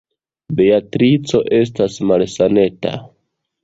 Beatrico estas malsaneta.